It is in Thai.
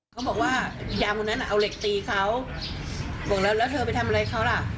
เขาบอกว่ายามคนนั้นเอาเหล็กตีเขาบอกแล้วแล้วเธอไปทำอะไรเขาล่ะ